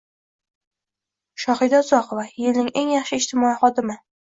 Shohida Uzoqova – yilning eng yaxshi ijtimoiy xodiming